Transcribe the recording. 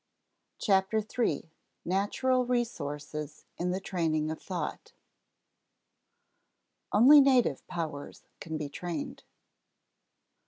CHAPTER THREE NATURAL RESOURCES IN THE TRAINING OF THOUGHT [Sidenote: Only native powers can be trained.